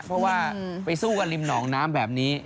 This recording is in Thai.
เพราะว่าไปสู้กันริมหนองน้ำแบบนี้